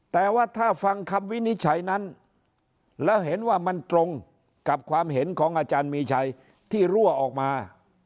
แต่ว่าถ้าฟังคำวินิจฉัยนั้นแล้วเห็นว่ามันตรงกับความเห็นของอาจารย์มีชัยที่รั่วออกมา